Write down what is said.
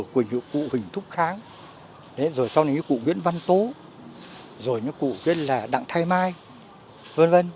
cụ huỳnh thúc kháng rồi sau đó những cụ nguyễn văn tố rồi những cụ đặng thay mai v v